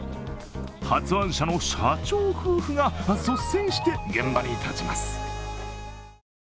発案者の社長夫婦が率先して現場に立ちます。